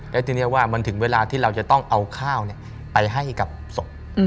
แล้วทีนี้ว่ามันถึงเวลาที่เราจะต้องเอาข้าวไปให้กับศพ